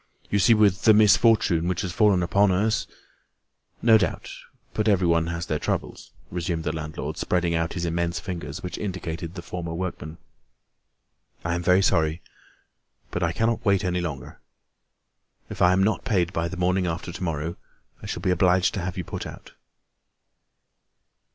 "You see, with the misfortune which has fallen upon us—" "No doubt, but everyone has their troubles," resumed the landlord, spreading out his immense fingers, which indicated the former workman. "I am very sorry, but I cannot wait any longer. If I am not paid by the morning after to morrow, I shall be obliged to have you put out."